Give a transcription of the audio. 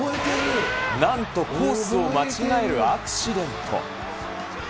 なんとコースを間違えるアクシデント。